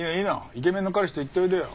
イケメンの彼氏と行っておいでよ。